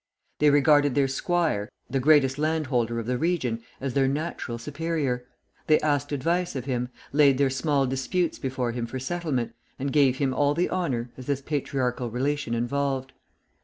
They regarded their squire, the greatest landholder of the region, as their natural superior; they asked advice of him, laid their small disputes before him for settlement, and gave him all honour, as this patriarchal relation involved.